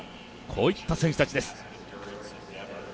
こういった選手たちです。